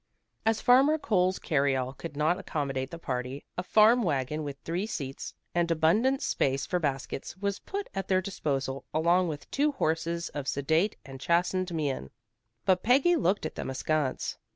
As Farmer Cole's carry all could not accommodate the party, a farm wagon with three seats, and abundant space for baskets, was put at their disposal, along with two horses of sedate and chastened mien. But Peggy looked at them askance.